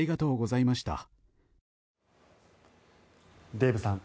デーブさん